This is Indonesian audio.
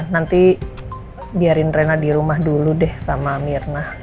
nanti biarin rena di rumah dulu deh sama mirna